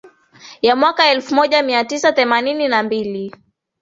ya mwaka elfu moja mia tisa themanini na mbili